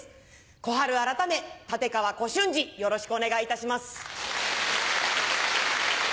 こはる改メ立川小春志よろしくお願いいたします。